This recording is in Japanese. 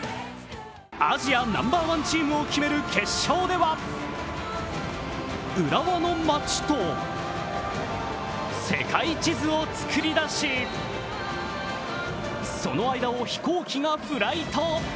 アジアナンバーワンチームを決める決勝では、浦和の街と世界地図を作り出しその間を飛行機がフライト。